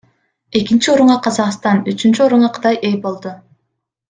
Экинчи орунга Казакстан, үчүнчү орунга Кытай ээ болду.